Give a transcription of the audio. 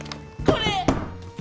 これ。